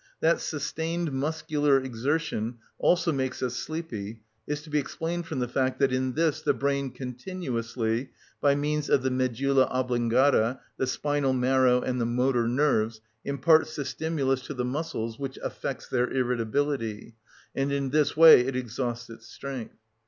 That sustained muscular exertion also makes us sleepy is to be explained from the fact that in this the brain continuously, by means of the medulla oblongata, the spinal marrow, and the motor nerves, imparts the stimulus to the muscles which affects their irritability, and in this way it exhausts its strength.